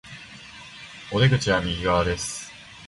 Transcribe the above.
お出口は右側です